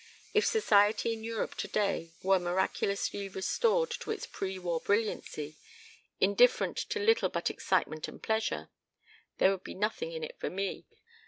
If Society in Europe today were miraculously restored to its pre war brilliancy indifferent to little but excitement and pleasure there would be nothing in it for me.